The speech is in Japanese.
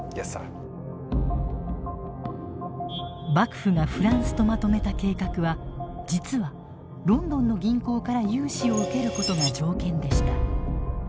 幕府がフランスとまとめた計画は実はロンドンの銀行から融資を受けることが条件でした。